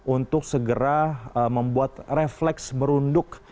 untuk segera membuat refleks merunduk